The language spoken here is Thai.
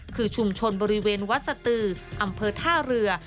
คือชุมชนบริเวณวัดสตืออำเภอท่าเรือ